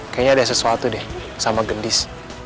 kayaknya ada sesuatu deh sama gendis